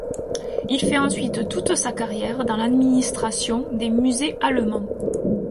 Il fait ensuite toute sa carrière dans l’administration des musées allemands.